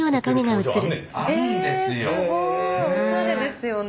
おしゃれですよね。